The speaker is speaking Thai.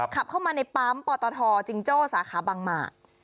ขับเข้ามาในปั๊มปตทจิงโจ้สาขาบางหมาก